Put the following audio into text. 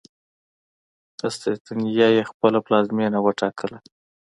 قسطنطنیه یې خپله پلازمېنه وټاکله.